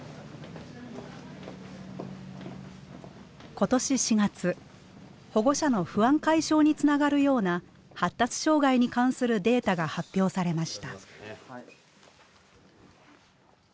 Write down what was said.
今年４月保護者の不安解消につながるような発達障害に関するデータが発表されました。